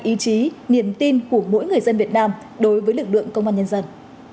ý chí niềm tin của mỗi người dân việt nam đối với lực lượng công an nhân dân